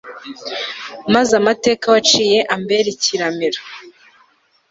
maze amateka waciye ambere ikiramiro